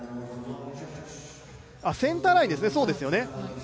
センターラインですよね、そうですよね。